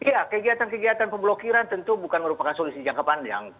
ya kegiatan kegiatan pemblokiran tentu bukan merupakan solusi jangka panjang